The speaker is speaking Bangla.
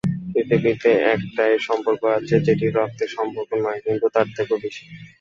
পৃথিবীতে একটাই সম্পর্ক আছে যেটা রক্তের সম্পর্ক নয়, কিন্তু তার থেকেও বেশি।